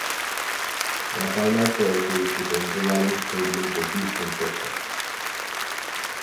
La Final Four se disputó en el Reliant Stadium de Houston, Texas.